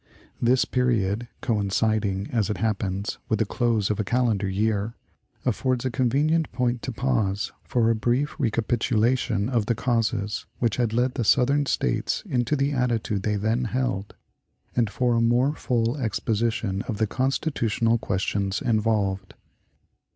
This period, coinciding, as it happens, with the close of a calendar year, affords a convenient point to pause for a brief recapitulation of the causes which had led the Southern States into the attitude they then held, and for a more full exposition of the constitutional questions involved.